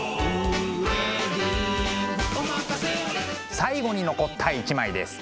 最後に残った一枚です。